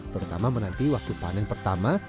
terutama menanti waktu panen pertama